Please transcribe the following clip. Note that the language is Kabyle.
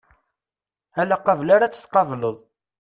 Ala aqabel ara tt-tqableḍ.